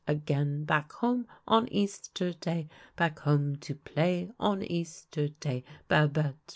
— Again back home, On Easter Day, — Back home to play On Easter Day, Babette